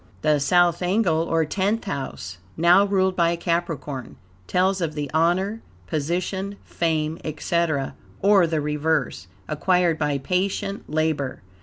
The South angle, or Tenth House, now ruled by Capricorn, tells of the honor, position, fame, etc. (or the reverse) acquired by patient labor.